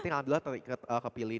alhamdulillah terikat kepilih